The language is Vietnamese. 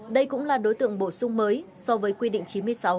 đây cũng là đối tượng bổ sung mới so với quy định chín mươi sáu